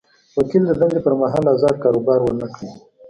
وکیل د دندې پر مهال ازاد کاروبار ونه کړي.